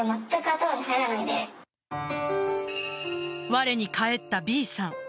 われに帰ったＢさん。